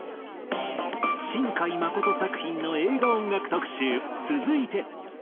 新海誠作品の映画音楽特集続いて。